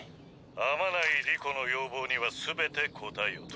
天内理子の要望には全て応えよと。